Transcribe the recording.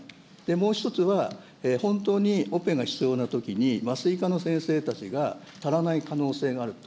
もう一つは、本当にオペが必要なときに、麻酔科の先生たちが足らない可能性があると。